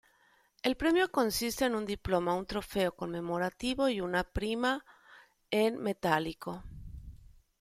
El premio consiste en un diploma, un trofeo conmemorativo y una prima en metálico.